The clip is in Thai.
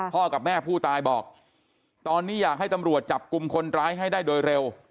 กับแม่ผู้ตายบอกตอนนี้อยากให้ตำรวจจับกลุ่มคนร้ายให้ได้โดยเร็ว